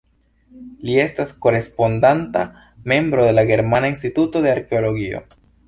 Li estas Korespondanta Membro de la Germana Instituto de Arkeologio.